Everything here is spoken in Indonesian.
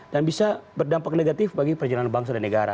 dan bisa berdampak negatif bagi perjalanan bangsa dan negara